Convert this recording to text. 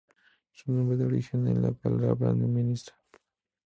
Su nombre dio origen a la palabra numismática.